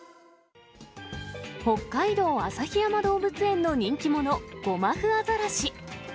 北海道旭山動物園の人気者、ゴマフアザラシ。